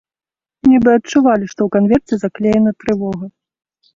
Нібы адчувалі, што ў канверце заклеена трывога.